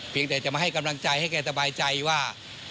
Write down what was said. เพียงแต่จะมาให้กำลังใจให้แกสบายใจว่า